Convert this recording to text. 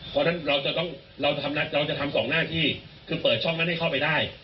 เพราะฉะนั้นเราจะต้องเราจะทำสองหน้าที่คือเปิดช่องนั้นให้เข้าไปได้